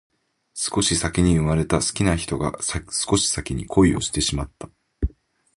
少し先に生まれた好きな人が少し先に恋をしてしまった